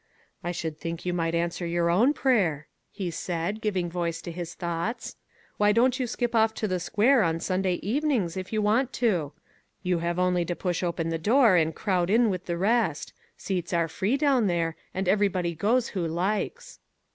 " I should think you might answer your own prayer," he said, giving voice to his thoughts. " Why don't you skip off to the square on Sun day evenings if you want to? You have only to push open the door and crowd in with the rest; seats are free down there, and everybody goes who likes."